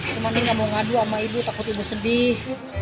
cuma dia nggak mau ngadu sama ibu takut ibu sedih